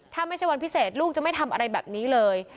ถ้าไม่ใช่วันพิเศษลูกจะไม่ทำอะไรแบบนี้เลย